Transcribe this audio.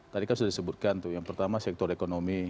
tadi kan sudah disebutkan tuh yang pertama sektor ekonomi